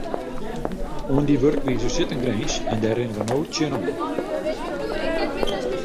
Oan dy wurkwize sit in grins en dêr rinne wy no tsjinoan.